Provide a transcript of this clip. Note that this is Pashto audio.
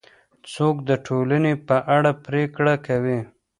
څوک د ټولنې په اړه پرېکړه کوي؟